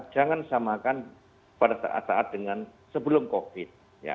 jangan samakan pada saat saat dengan sebelum covid